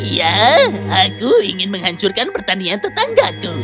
ya aku ingin menghancurkan pertanian tetanggaku